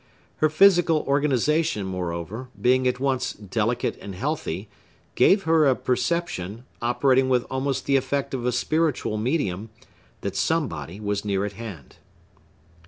Her physical organization, moreover, being at once delicate and healthy, gave her a perception, operating with almost the effect of a spiritual medium, that somebody was near at hand.